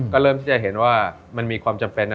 ก็เริ่มที่จะเห็นว่ามันมีความจำเป็นนะ